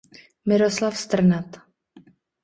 Miroslav Strnad.